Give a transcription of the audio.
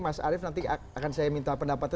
mas arief nanti akan saya minta pendapatnya